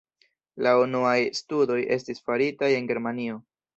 La unuaj studoj estis faritaj en Germanio.